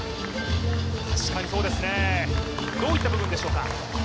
確かにそうですねどういった部分でしょうか？